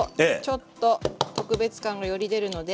ちょっと特別感がより出るので。